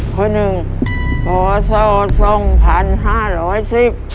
คนหนึ่งต่อเศร้าทรงพันห้าร้อยสิบ